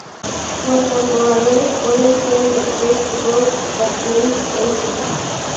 Los controles pueden ser de Xbox o PlayStation.